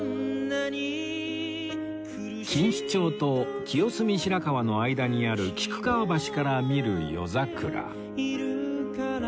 錦糸町と清澄白河の間にある菊川橋から見る夜桜